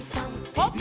パッ！